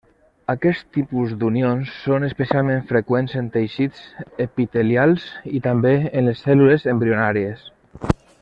Aquest tipus d'unions són especialment freqüents en teixits epitelials i també en les cèl·lules embrionàries.